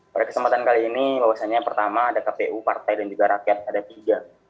pada kesempatan kali ini bahwasannya pertama ada kpu partai dan juga rakyat ada tiga